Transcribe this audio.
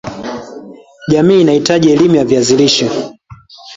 jamii inahitaji elimu ya viazi lishe